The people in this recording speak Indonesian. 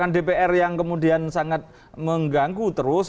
dpr yang kemudian sangat mengganggu terus